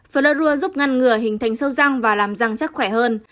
floua giúp ngăn ngừa hình thành sâu răng và làm răng chắc khỏe hơn